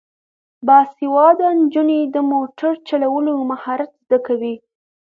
باسواده نجونې د موټر چلولو مهارت زده کوي.